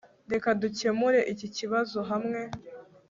reka dukemure iki kibazo hamwe